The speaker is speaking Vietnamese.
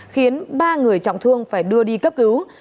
khiến ba người trọng thương phải đưa đi cấp cứu